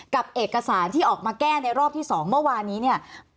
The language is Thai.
กับเอกสารที่ออกมาแก้ในรอบที่๒เมื่อวานนี้เนี่ย